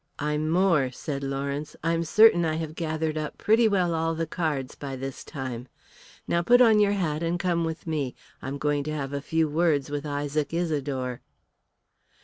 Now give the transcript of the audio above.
"I'm more," said Lawrence. "I'm certain I have gathered up pretty well all the cards by this time. Now you put on your hat and come with me. I'm going to have a few words with Isaac Isidore."